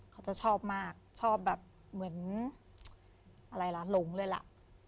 เขาจะชอบมากชอบแบบเหมือนอะไรล่ะหลงเลยล่ะ